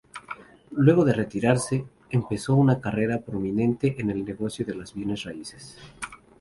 Luego de retirarse, empezó una carrera prominente en el negocio de las bienes raíces.